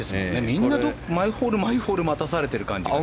みんな毎ホール、毎ホール待たされている感じが。